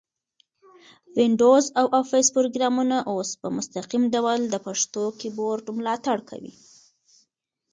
وینډوز او افس پروګرامونه اوس په مستقیم ډول د پښتو کیبورډ ملاتړ کوي.